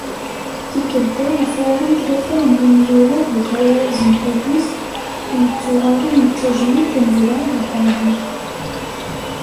Tikkelt-a, ufraren tlata n yimyura deg warraz n tullist i yettuɣalen d tajmilt n Belɛid At Ɛli.